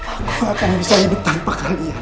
aku akan bisa hidup tanpa kalian